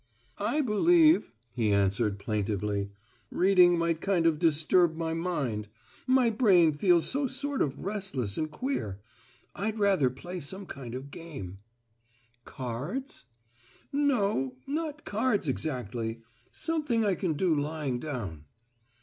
"I believe," he answered, plaintively, "reading might kind of disturb my mind: my brain feels so sort of restless and queer. I'd rather play some kind of game." "Cards?" "No, not cards exactly. Something' I can do lying down.